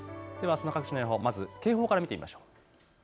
あすの各地の予報、まず警報から見てみましょう。